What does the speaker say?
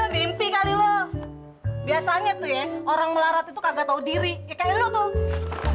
bimpi kali lo biasanya tuh ya orang melarat itu kagak tau diri kayak lo tuh